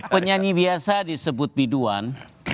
penyanyi biasa disebut biduan